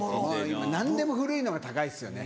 今何でも古いのが高いですよね。